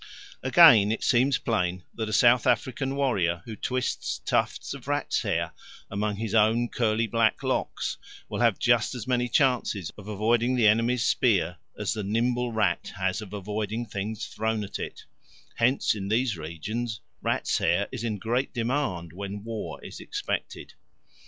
Again, it seems plain that a South African warrior who twists tufts of rat's hair among his own curly black locks will have just as many chances of avoiding the enemy's spear as the nimble rat has of avoiding things thrown at it; hence in these regions rats' hair is in great demand when war is expected.